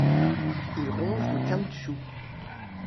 Il ronge le caoutchouc.